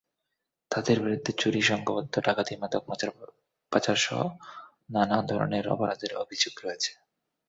তাঁদের বিরুদ্ধে চুরি, সংঘবদ্ধ ডাকাতি, মাদক পাচারসহ নানা ধরনের অপরাধের অভিযোগ রয়েছে।